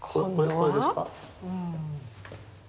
これですか？